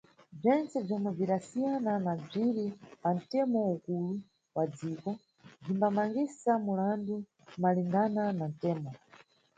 Bzentse bzomwe bzidasiyana na bziri pantemo ukulu wa dziko bzimbamangisa mulandu malingana na ntemo.